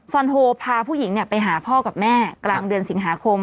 อนโฮพาผู้หญิงไปหาพ่อกับแม่กลางเดือนสิงหาคม